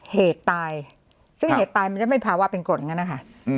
เหตุตายซึ่งเหตุตายมันจะไม่ภาวะเป็นกรดไงนะคะอืม